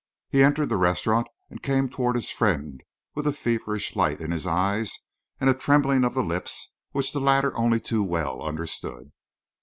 He entered the restaurant and came towards his friend with a feverish light in his eyes and a trembling of the lips which the latter only too well understood.